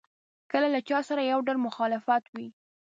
کله له چا سره یو ډول مخالف وي.